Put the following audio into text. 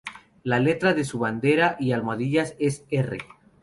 La letra de su bandera y almohadillas es "R".